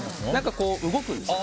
動くんですよ。